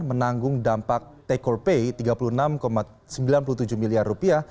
menanggung dampak take or pay rp tiga puluh enam sembilan puluh tujuh miliar